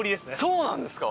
そうなんですか？